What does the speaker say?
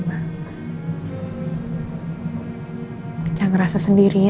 jangan rasa sendiri ya